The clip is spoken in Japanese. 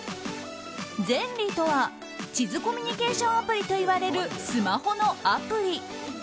ｚｅｎｌｙとは地図コミュニケーションアプリといわれるスマホのアプリ。